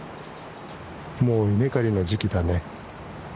もう稲刈りの時期だね。